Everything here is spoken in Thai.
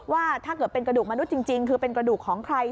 ว่าถ้าเกิดเป็นกระดูกมนุษย์จริงคือเป็นกระดูกของใคร